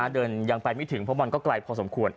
ยังไปไม่ถึงเพราะมันก็ไกลพอสมควร